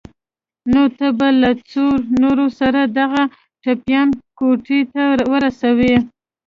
نو ته به له څو نورو سره دغه ټپيان کوټې ته ورسوې.